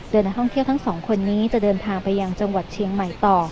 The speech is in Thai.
โดยนักท่องเที่ยวทั้งสองคนนี้จะเดินทางไปยังจังหวัดเชียงใหม่ต่อ